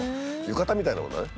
浴衣みたいなもんだね。